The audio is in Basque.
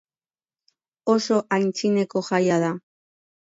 Oso aintzineko jaia da.